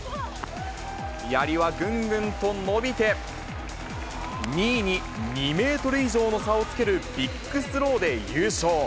やりはぐんぐんと伸びて、２位に２メートル以上の差をつけるビッグスローで優勝。